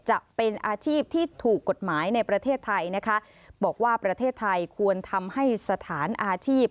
จะเป็นอาชีพที่ถูกกฎหมายในประเทศไทยนะคะบอกว่าประเทศไทยควรทำให้สถานอาชีพ